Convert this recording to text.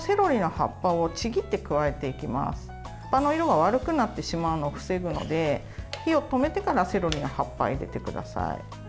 葉っぱの色が悪くなってしまうのを防ぐので火を止めてからセロリの葉っぱを入れてください。